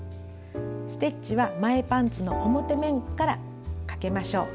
ステッチは前パンツの表面からかけましょう。